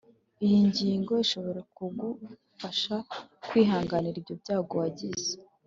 iyi ngingo ishobora kugufasha kwihanganira ibyo byago wagize